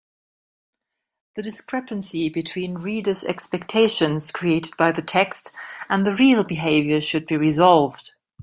The discrepancy between reader’s expectations created by the text and the real behaviour should be resolved.